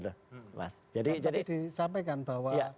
tapi disampaikan bahwa